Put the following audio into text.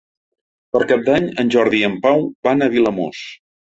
Per Cap d'Any en Jordi i en Pau van a Vilamòs.